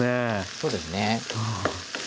そうですね。